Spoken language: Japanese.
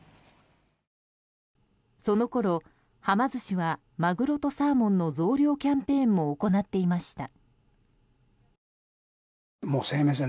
そのころ、はま寿司はまぐろとサーモンの増量キャンペーンも行っていました。